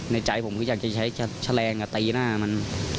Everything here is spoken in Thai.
ในใจผมก็อยากจะใช้แชลงกับตีหน้ามัน